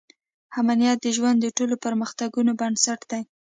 امنیت د ژوند د ټولو پرمختګونو بنسټ دی.